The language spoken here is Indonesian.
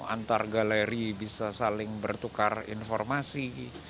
antar galeri bisa saling bertukar informasi